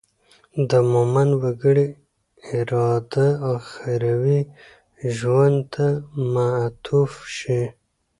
د مومن وګړي اراده اخروي ژوند ته معطوف شي.